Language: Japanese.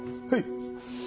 はい。